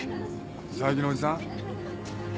・佐伯のおじさん？